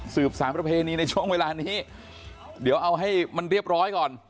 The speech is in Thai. สารประเพณีในช่วงเวลานี้เดี๋ยวเอาให้มันเรียบร้อยก่อน